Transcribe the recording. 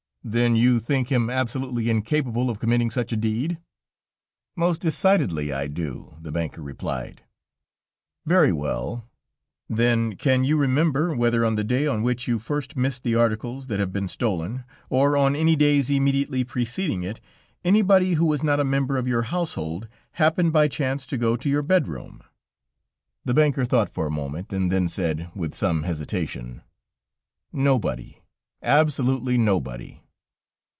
"Then you think him absolutely incapable of committing such a deed?" "Most decidedly I do," the banker replied. "Very well; then can you remember whether on the day on which you first missed the articles that have been stolen, or on any days immediately preceding it, anybody who was not a member of your household, happened by chance to go to your bedroom?" The banker thought for a moment, and then said with some hesitation: "Nobody, absolutely nobody."